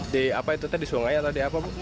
di apa itu di sungai atau di apa